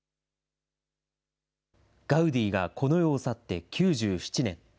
ガウディがこの世を去って９７年。